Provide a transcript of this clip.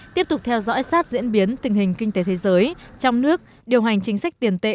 tiếp tục theo dõi sát diễn biến tình hình kinh tế thế giới trong nước điều hành chính sách tiền tệ